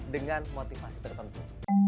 dengan motivasi tertentu